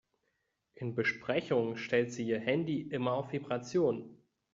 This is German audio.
In Besprechungen stellt sie ihr Handy immer auf Vibration.